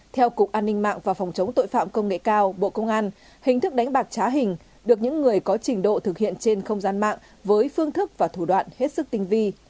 theo cục an ninh mạng và phòng chống tội phạm công nghệ cao bộ công an hình thức đánh bạc trá hình được những người có trình độ thực hiện trên không gian mạng với phương thức và thủ đoạn hết sức tinh vi